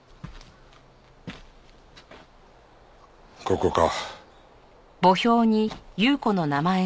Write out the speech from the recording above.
ここか。